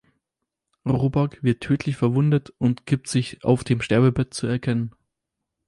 Robak wird tödlich verwundet und gibt sich auf dem Sterbebett zu erkennen.